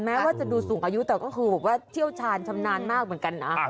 แม้ว่าจะดูสูงอายุแต่ก็คือแบบว่าเชี่ยวชาญชำนาญมากเหมือนกันนะ